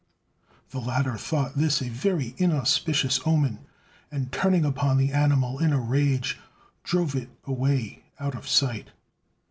The latter thought this a very inauspicious omen, and turning upon the animal in a rage, drove it away out of sight.